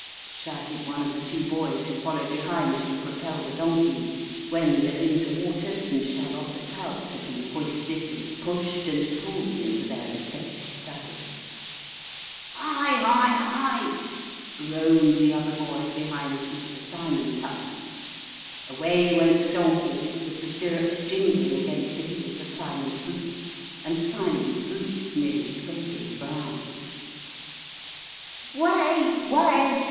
shouted one of the two boys who followed behind, to propel the donkeys, when Belinda Waters and Charlotta Tuggs had been hoisted, and pushed, and pulled, into their respective saddles. " Hi hi hi !" groaned the other boy behind Mr. Cymon Tuggs. Away went the donkey, with the stirrups jingling against the heels of Cymon's boots, and Cymon's boots nearly scraping the ground. " Way way !